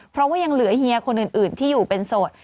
เพราะว่ายังเหลือเฮียคนอื่นที่อยู่เป็นโสด